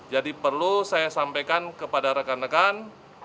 jadi perlu saya sampaikan kepada rekan rekan